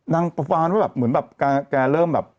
นางปลาแบบแกเริ่มแบบ